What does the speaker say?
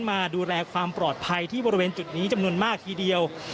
มาดูแลความปลอดภัยที่บริเวณจุดนี้จำนวนมากทีเดียว